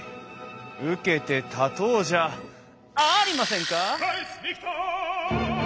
受けて立とうじゃありませんか！